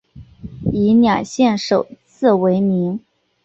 以两县首字为名。